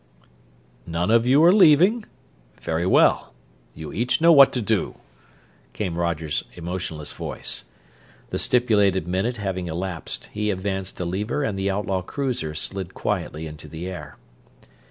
"None of you are leaving? Very well, you each know what to do," came Roger's emotionless voice. The stipulated minute having elapsed, he advanced a lever and the outlaw cruiser slid quietly into the air.